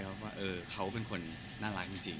เพราะว่าเขาเป็นคนน่ารักจริง